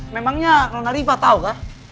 memangnya nona riva tau kah